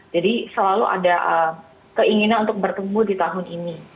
jadi selalu ada keinginan untuk bertumbuh di tahun ini